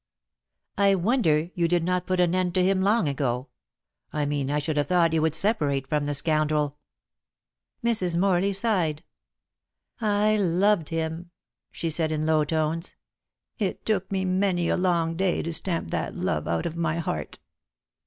"I wonder you did not put an end to him long ago. I mean I should have thought you would separate from the scoundrel." Mrs. Morley sighed. "I loved him," she said in low tones. "It took me many a long day to stamp that love out of my heart.